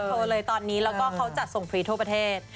โทรเลยตอนนี้แล้วก็เขาจัดส่งฟรีทั่วประเทศ